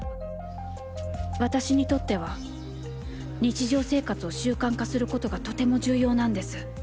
私にとっては日常生活を習慣化することがとても重要なんです。